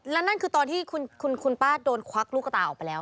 และนั่นคือตอนที่คุณป้าโดนควักลูกตาออกไปแล้ว